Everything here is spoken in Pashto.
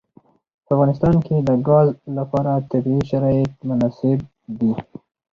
په افغانستان کې د ګاز لپاره طبیعي شرایط مناسب دي.